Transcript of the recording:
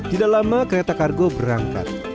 tidak lama kereta kargo berangkat